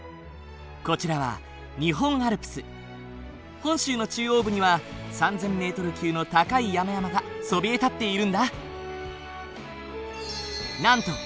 こちらは本州の中央部には３，０００ｍ級の高い山々がそびえ立っているんだ。